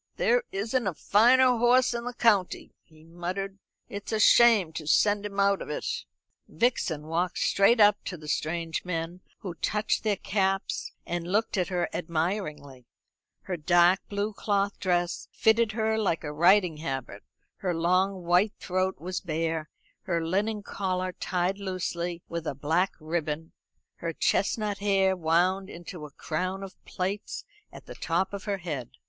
"There isn't a finer horse in the county," he muttered; "it's a shame to send him out of it." Vixen walked straight up to the strange men, who touched their caps, and looked at her admiringly; her dark blue cloth dress fitted her like a riding habit, her long white throat was bare, her linen collar tied loosely with a black ribbon, her chestnut hair wound into a crown of plaits at the top of her head.